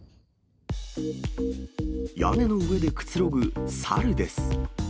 屋根の上でくつろぐ猿です。